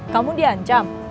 kamu di ancam